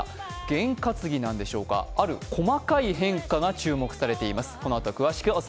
験担ぎなんでしょうか、ある細かい変化が注目されています。